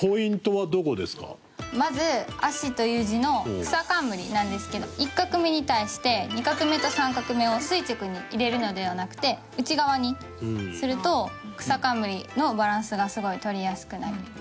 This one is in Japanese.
まず「芦」という字のくさかんむりなんですけど１画目に対して２画目と３画目を垂直に入れるのではなくて内側にするとくさかんむりのバランスがすごい取りやすくなります。